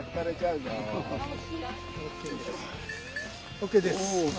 ＯＫです。